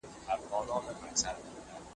آیا په خوشحالۍ کي افراط تاوان لري؟